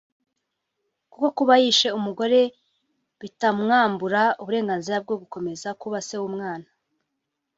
kuko kuba yishe umugore bitamwambura uburenganzira bwo gukomeza kuba se w’ umwana